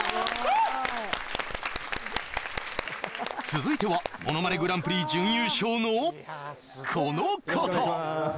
続いては「ものまねグランプリ」準優勝のこの方！